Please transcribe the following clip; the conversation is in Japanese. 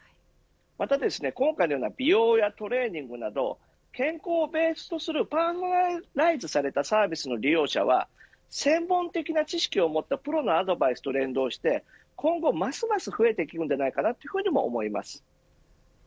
また、今回のような美容やトレーニングなど健康をベースとするパーソナライズされたサービスの利用者は専門的な知識を持ったプロのアドバイスと連動して今後ますます増えていくと思います。